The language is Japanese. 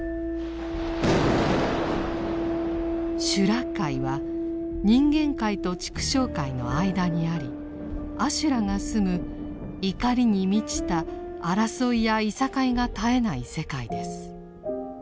修羅界は人間界と畜生界の間にあり阿修羅が住むいかりに満ちた争いやいさかいが絶えない世界です。